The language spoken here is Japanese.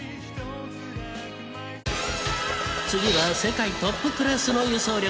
次は世界トップクラスの輸送力。